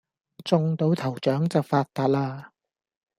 中到頭獎就發達喇